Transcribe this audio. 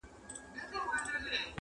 لږ وزړه ته مي ارام او سکون غواړم،